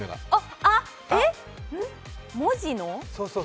あっ、文字の？